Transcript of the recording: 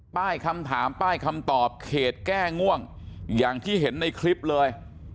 ป้ายคำถามป้ายคำตอบเขตแก้ง่วงอย่างที่เห็นในคลิปเลย